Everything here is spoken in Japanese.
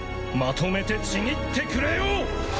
まとめてちぎってくれよう。